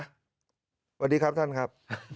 สวัสดีครับท่านครับ